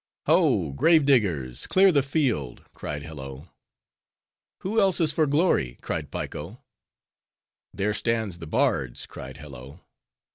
"Ho! grave diggers, clear the field," cried Hello. "Who else is for glory?" cried Piko. "There stand the bards!" cried Hello.